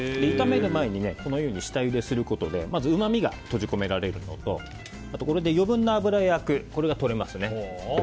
炒める前にこのように下ゆですることでまずうまみが閉じ込められるのと余分な脂やあくがとれますね。